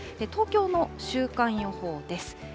東京の週間予報です。